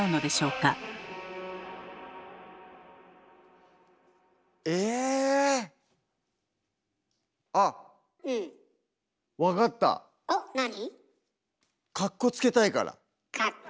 かっこつけたいから。